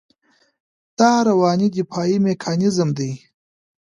دا رواني دفاعي میکانیزم دی.